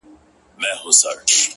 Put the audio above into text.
اوس خورا په خړپ رپيږي ورځ تېرېږي ـ